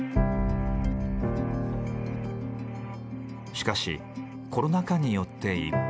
しかしコロナ禍によって一変。